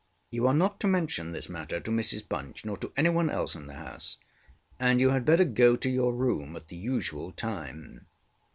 You are not to mention this matter to Mrs Bunch nor to anyone else in the house; and you had better go to your room at the usual time.